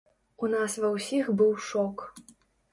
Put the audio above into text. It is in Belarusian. У нас ва ўсіх быў шок.